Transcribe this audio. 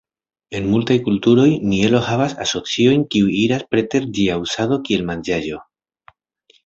En multaj kulturoj, mielo havas asociojn kiuj iras preter ĝia uzado kiel manĝaĵo.